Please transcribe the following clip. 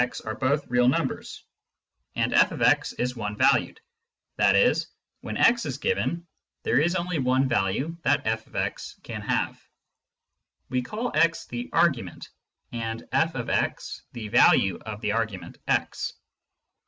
fx are both real numbers, and/# is one valued — i.e. when x is given, there is only one value that /a; can have. We call x the " argument," and/* the " value for the argument x."